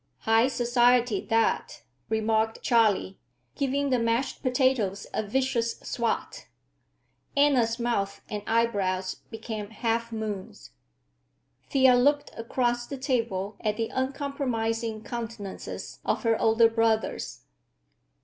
"High society, that," remarked Charley, giving the mashed potatoes a vicious swat. Anna's mouth and eyebrows became half moons. Thea looked across the table at the uncompromising countenances of her older brothers.